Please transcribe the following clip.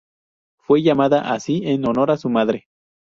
Fue llamada así en honor a su madre.